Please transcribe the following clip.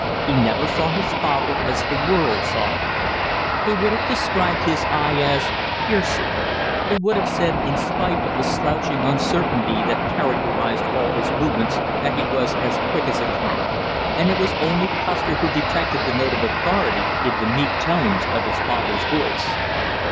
He never saw his father as the world saw him. He would have described his eye as piercing; he would have said, in spite of the slouching uncertainty that characterized all his movements, that he was as quick as a cat; and it was only Custer who detected the note of authority in the meek tones of his father's voice.